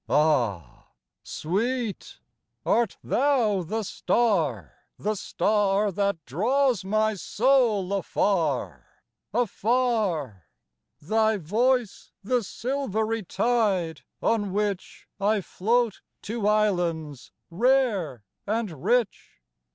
Ah, sweet, art thou the star, the starThat draws my soul afar, afar? Thy voice the silvery tide on whichI float to islands rare and rich?